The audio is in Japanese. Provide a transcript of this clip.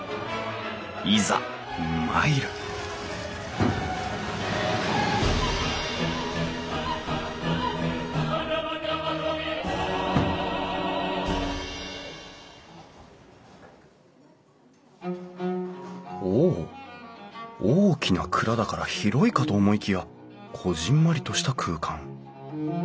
いざ参るお大きな蔵だから広いかと思いきやこぢんまりとした空間。